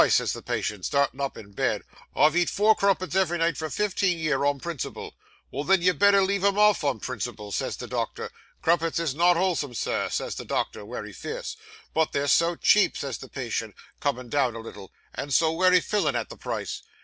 says the patient, starting up in bed; "I've eat four crumpets, ev'ry night for fifteen year, on principle." "Well, then, you'd better leave 'em off, on principle," says the doctor. "Crumpets is _not _wholesome, Sir," says the doctor, wery fierce. "But they're so cheap," says the patient, comin' down a little, "and so wery fillin' at the price."